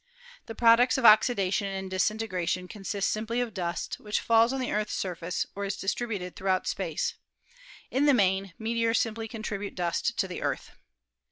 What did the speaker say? The products of oxidation and disintegration con sist simply of dust, which falls on the Earth's surface or is distributed throughout space. In the main, meteors simply contribute dust to the Earth.